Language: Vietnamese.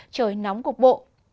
trời nóng cục bộ